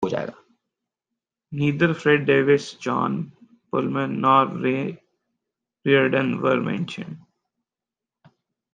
Neither Fred Davis, John Pulman nor Ray Reardon were mentioned.